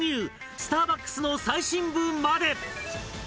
スターバックスの最深部まで。